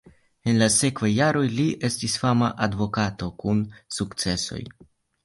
En la sekvaj jaroj li estis fama advokato kun sukcesoj.